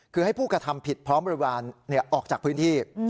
คือให้ผู้กระทำผิดพร้อมบริวารออกจากพื้นที่